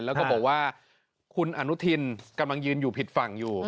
แล้วก็บอกว่าคุณอนุทินกำลังยืนอยู่ผิดฝั่งอยู่